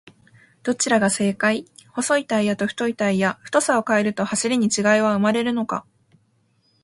どちらが正解!?細いタイヤと太いタイヤ、太さを変えると走りに違いは生まれるのか？